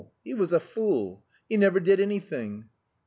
He was a fool. He never did anything.